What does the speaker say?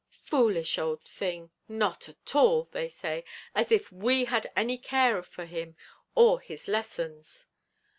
Foolish old thing! not at all," they say, "as if we had any care for him or his lessons."'